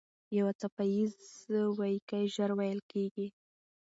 یو څپه ایز ويیکی ژر وېل کېږي.